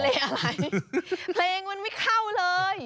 เพลงอะไรเพลงมันไม่เข้าเลย